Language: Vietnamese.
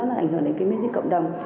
nó ảnh hưởng đến cái mức dịch cộng đồng